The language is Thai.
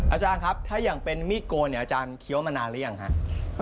อาจารย์ครับถ้าอย่างเป็นมิโกนเนี่ยอาจารย์เคี้ยวมานานหรือยังครับ